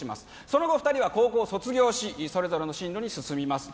その後２人は高校を卒業しそれぞれの進路に進みます